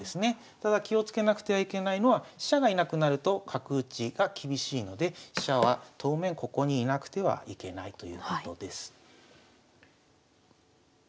ただ気をつけなくてはいけないのは飛車が居なくなると角打ちが厳しいので飛車は当面ここに居なくてはいけないということです。